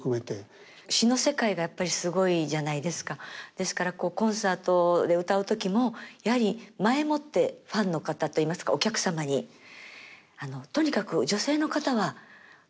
ですからコンサートで歌う時もやはり前もってファンの方といいますかお客様にとにかく女性の方は主人公になってください。